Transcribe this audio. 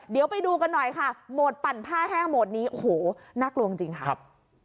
เดี๋ยวไปดูกันหน่อยค่ะโหมดปั่นผ้าแห้งโหมดนี้โอ้โหน่ากลัวจริงค่ะครับ